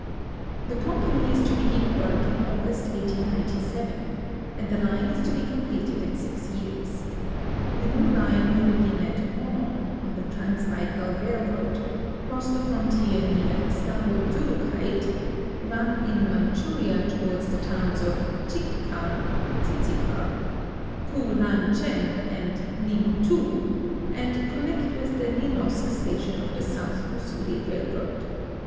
The company is to begin work in August, 185)7, and the line is to be completed in six years. The new line will begin at Onon, on the Trans Baikal liailroad, cross the frontier near Star.» 124 GEOGRAPHIC LITERATURE Zurukhait, run in Manchuria toward the towns of Cicikar (Tsit sikar), Khu lan Chen, and Ning tu, and connect with the Nikolsk station of the South Ussuri Railroad.